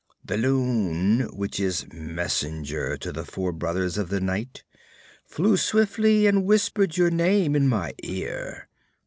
The loon which is messenger to the Four Brothers of the Night flew swiftly and whispered your name in my ear.